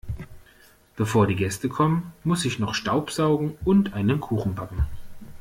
Bevor die Gäste kommen, muss ich noch staubsaugen und einen Kuchen backen.